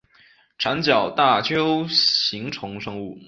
长角大锹形虫生物。